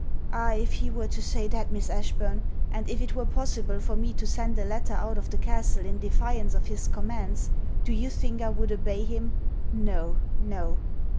Ah, if he were to say that, Miss Ashburn, and if it were possible for me to send a letter out of the castle in defiance of his commands, do you think I would obey him? No, no.